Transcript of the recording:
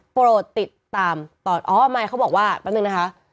โปรดติดตามตอนอ๋อไม่เขาบอกว่าแป๊บนึงนะคะ